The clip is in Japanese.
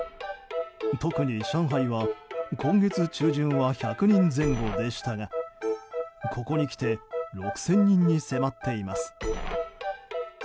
特に上海は今月中旬は１００人前後でしたがここにきて６０００人に迫っています。